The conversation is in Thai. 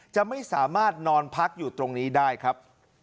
จะไม่สามารถนอนพักอยู่ตรงนี้ได้ครับ